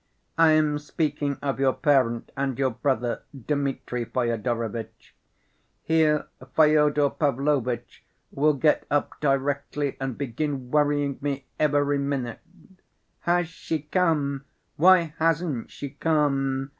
"I am speaking of your parent and your brother Dmitri Fyodorovitch. Here Fyodor Pavlovitch will get up directly and begin worrying me every minute, 'Has she come? Why hasn't she come?